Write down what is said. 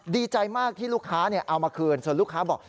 ดีใจมากที่ลูกค้าเอามาคืนส่วนลูกค้าบอก